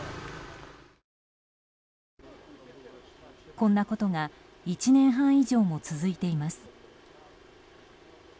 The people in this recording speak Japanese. こんなことが１年半以上も続いています。